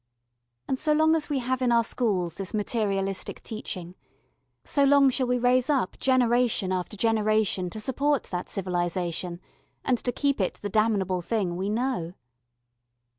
And so long as we have in our schools this materialistic teaching, so long shall we raise up generation after generation to support that civilisation and to keep it the damnable thing we know.